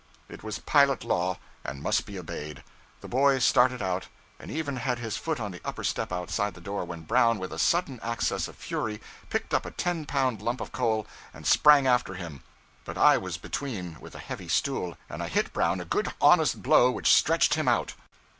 It was pilot law, and must be obeyed. The boy started out, and even had his foot on the upper step outside the door, when Brown, with a sudden access of fury, picked up a ten pound lump of coal and sprang after him; but I was between, with a heavy stool, and I hit Brown a good honest blow which stretched him out.